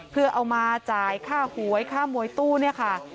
เพื่อเอามาจ่ายค่าหวยค่ามวยตู้เนี่ยค่ะ